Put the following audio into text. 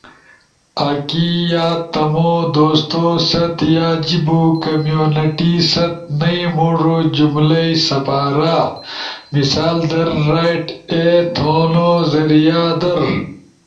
آکی یا تمو دوستو ست یا جیبو کمیونٹی ست نئی موڙو جملئی سپارا۔ مثال در ‘رائٹ اے تھون ذریعہ در’